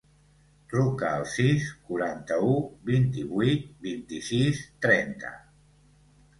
Truca al sis, quaranta-u, vint-i-vuit, vint-i-sis, trenta.